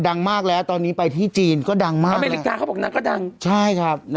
ดังมากแล้วตอนนี้ไปที่จีนก็ดังมากอเมริกาเขาบอกนางก็ดังใช่ครับ